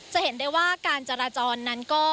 จะเห็นได้ว่าการจราจรนั้นก็